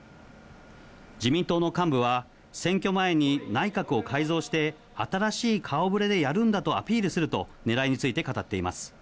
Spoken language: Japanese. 自民党の幹部は、選挙前に内閣を改造して、新しい顔ぶれでやるんだとアピールすると、ねらいについて語っています。